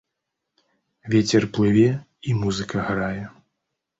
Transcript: Вецер плыве, і музыка грае.